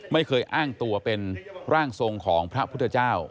ไม่เคยอ้างตัวเป็นร่างทรงของพระพุทธเจ้า